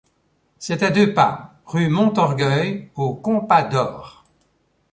C’est à deux pas, rue Montorgueil, au Compas d’or.